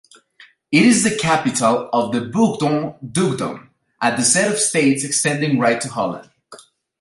It is the capital of the Bourgogne dukedom, a set of States extending right to Holland.